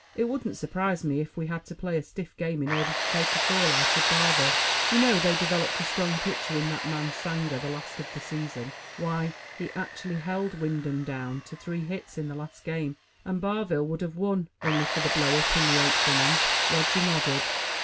It wouldn't surprise me if we had to play a stiff game in order to take a fall out of Barville. You know, they developed a strong pitcher in that man Sanger, the last of the season. Why, he actually held Wyndham down to three hits in that last game, and Barville would have won only for the blow up in the eighth inning." Roger nodded.